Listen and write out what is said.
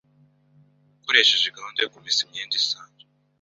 ukoresheje gahunda yo kumesa imyenda isanzwe.